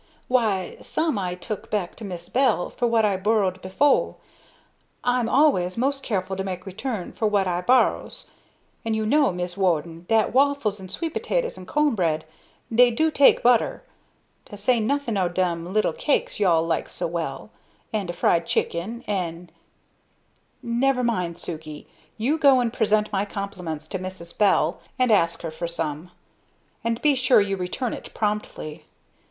"Why, some I tuk back to Mis' Bell for what I borrered befo' I'm always most careful to make return for what I borrers and yo' know, Mis' Warden, dat waffles and sweet potaters and cohn bread dey do take butter; to say nothin' o' them little cakes you all likes so well an' de fried chicken, an' " "Never mind, Sukey; you go and present my compliments to Mrs. Bell, and ask her for some; and be sure you return it promptly.